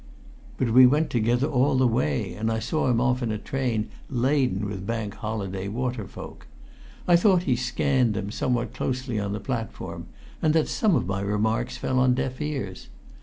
But we went together all the way, and I saw him off in a train laden with Bank Holiday water folk. I thought he scanned them somewhat closely on the platform, and that some of my remarks fell on deaf ears.